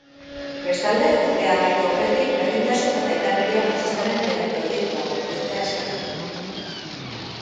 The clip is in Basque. Bestalde, urtea amaitu aurretik berdintasun eta indarkeria matxistaren lege-proiektuak aurkeztea eskatu du.